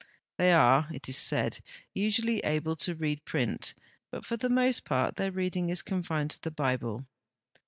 They are, it is said, usually able to read print, but for the most part their reading is confined to the Bible.